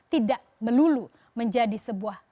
tidak melulu menjadi sebuah